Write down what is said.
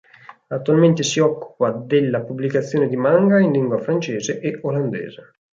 Attualmente si occupa della pubblicazione di manga in lingua francese e olandese.